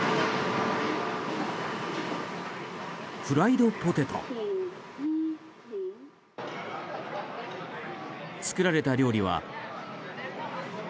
フライドポテト。作られた料理は。